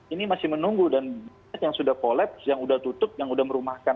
ini masih menunggu dan banyak yang sudah collaps yang sudah tutup yang sudah merumahkan